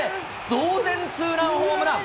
同点ツーランホームラン。